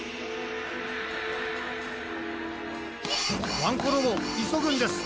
ワンコロボいそぐんです。